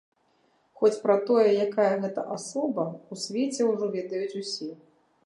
Хоць пра тое, якая гэта асоба, у свеце ўжо ведаюць усе.